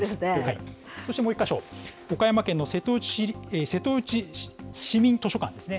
そしてもう１か所、岡山県の瀬戸内市民図書館ですね。